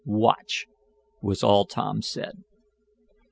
"Watch," was all Tom said.